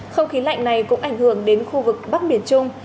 không khí lạnh này cũng ảnh hưởng đến khu vực bắc miền trung